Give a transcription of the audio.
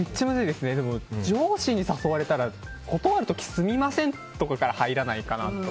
でも、上司に誘われたら断る時、すみませんとかから入らないかなって。